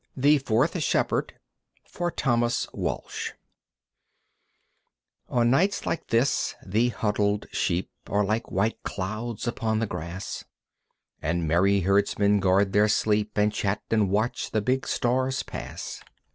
The Fourth Shepherd (For Thomas Walsh) I On nights like this the huddled sheep Are like white clouds upon the grass, And merry herdsmen guard their sleep And chat and watch the big stars pass.